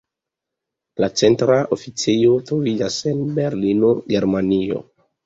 La centra oficejo troviĝas en Berlino, Germanio.